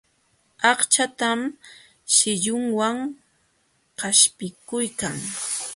Aqchantan shillunwan qaćhpikuykan.